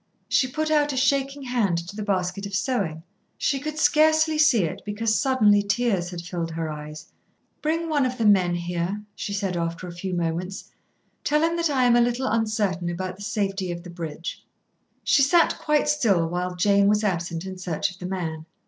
She put out a shaking hand to the basket of sewing. She could scarcely see it, because suddenly tears had filled her eyes. "Bring one of the men here," she said, after a few moments. "Tell him that I am a little uncertain about the safety of the bridge." She sat quite still while Jane was absent in search of the man.